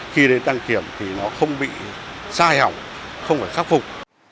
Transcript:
khi đến đăng kiểm thì nó không bị sai hỏng không phải khắc phục